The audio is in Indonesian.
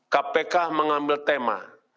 kpk mengambil tema